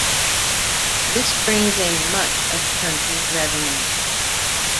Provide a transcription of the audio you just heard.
This brings in much of the country's revenue.